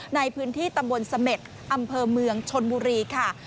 ในพื้นที่ตำบลเสม็ดอำเภอเมืองชนบุรีค่ะ